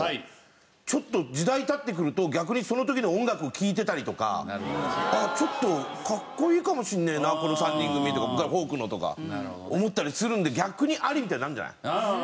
ちょっと時代経ってくると逆にその時の音楽を聴いてたりとかあっちょっとかっこいいかもしんねえなこの３人組とかフォークのとか思ったりするんで逆にアリみたいになるんじゃない？